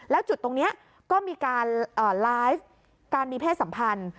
แล้วจุดตรงนี้ก็มีการไลฟ์การมีเพศสัมพันธ์